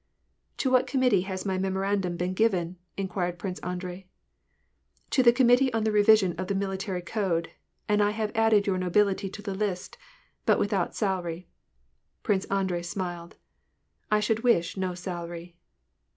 " To what committee has my Memorandum been given ?" inquired Prince Andrei. •* To the Committee on the Revision of the Military Code, and I have added your nobility to the list ; but without salary." Prince Andrei smiled. " I should wish no salary."